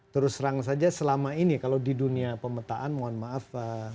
terus terang saja selama ini kalau di dunia pemetaan mohon maaf